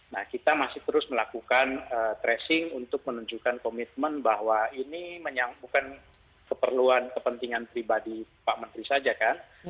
nah kita masih terus melakukan tracing untuk menunjukkan komitmen bahwa ini bukan keperluan kepentingan pribadi pak menteri saja kan